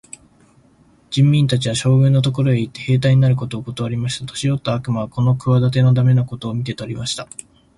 人民たちは、将軍のところへ行って、兵隊になることをことわりました。年よった悪魔はこの企ての駄目なことを見て取りました。